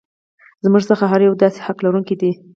زموږ څخه هر یو د داسې حق لرونکی دی.